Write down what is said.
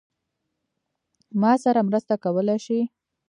ما سره مرسته کولای شې؟